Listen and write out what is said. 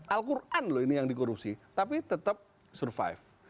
al quran loh ini yang dikorupsi tapi tetap survive